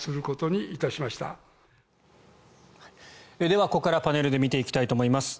ではここからパネルで見ていきたいと思います。